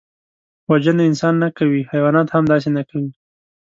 وژنه انسان نه کوي، حیوانات هم داسې نه کوي